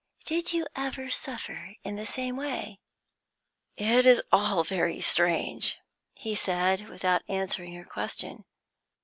"Did you ever suffer in the same way?" "It is all very strange," he said, without answering her question.